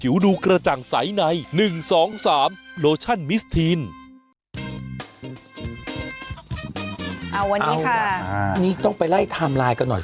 วันนี้ค่ะนี่ต้องไปไล่ไทม์ไลน์กันหน่อย